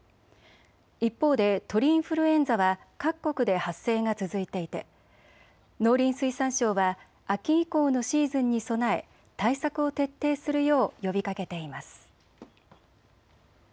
一方で鳥インフルエンザは各国で発生が続いていて農林水産省は秋以降のシーズンに備え、対策を徹底するよう呼びかけています。